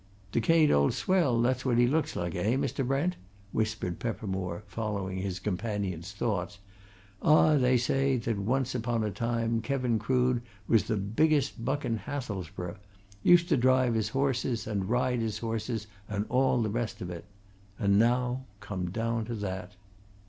"Decayed old swell that's what he looks like, eh, Mr. Brent?" whispered Peppermore, following his companion's thoughts. "Ah, they say that once upon a time Krevin Crood was the biggest buck in Hathelsborough used to drive his horses and ride his horses, and all the rest of it. And now come down to that."